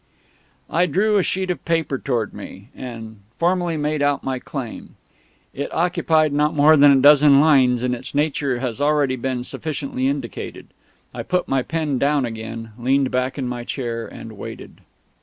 I drew a sheet of paper towards me, and formally made out my claim. It occupied not more than a dozen lines, and its nature has already been sufficiently indicated. I put my pen down again, leaned back in my chair, and waited.